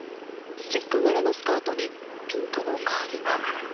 チェック柄のスカートにピンクのカーディガン。